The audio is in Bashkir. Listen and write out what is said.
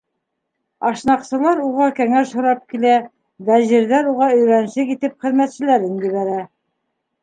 Ашнаҡсылар уға кәңәш һорап килә, вәзирҙәр уға өйрәнсек итеп хеҙмәтселәрен ебәрә.